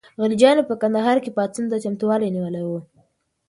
غلجیانو په کندهار کې پاڅون ته چمتووالی نیولی و.